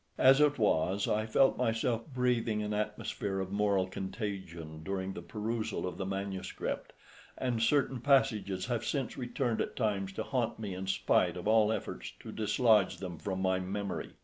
As it was, I felt myself breathing an atmosphere of moral contagion during the perusal of the manuscript, and certain passages have since returned at times to haunt me in spite of all efforts to dislodge them from my memory.